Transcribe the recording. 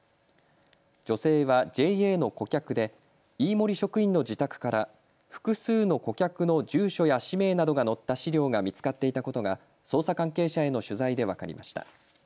女性はＪＡの顧客で飯盛職員の自宅から複数の顧客の住所や氏名などが載った資料が見つかっていたことが捜査関係者への取材で分かりました。